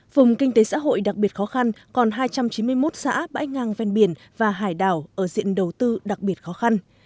vùng kinh tế xã hội đặc biệt khó khăn còn hai trăm chín mươi một xã bãi ngang ven biển và hải đảo ở diện đầu tư đặc biệt khó khăn